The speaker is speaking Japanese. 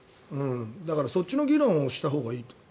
だからそっちの議論をしたほうがいいと。